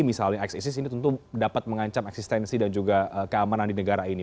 misalnya x isis ini tentu dapat mengancam eksistensi dan juga keamanan di negara ini